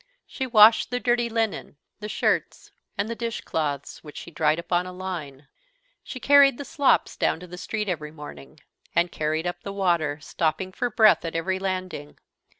She washed the dirty linen, the shirts, and the dish cloths, which she dried upon a line; she carried the slops down to the street every morning, and carried up the water, stopping for breath at every landing.